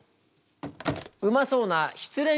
うまそうな「失恋」